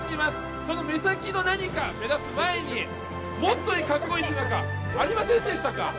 その目先の何かを目指す前にもっと格好いい職業ありませんでしたか？